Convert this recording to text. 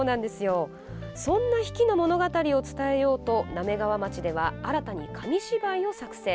そんな比企の物語を伝えようと滑川町では新たに紙芝居を作成。